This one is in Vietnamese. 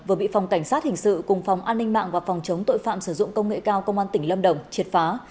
vừa bị phòng cảnh sát hình sự cùng phòng an ninh mạng và phòng chống tội phạm sử dụng công nghệ cao công an tỉnh lâm đồng triệt phá